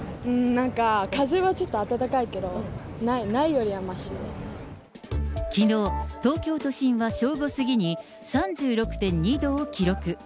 なんか風はちょっと暖かいけど、きのう、東京都心は正午過ぎに３６．２度を記録。